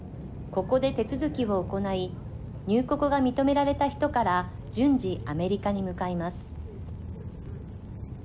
ここで手続きを行い入国が認められた人から順次、アメリカに向かいます。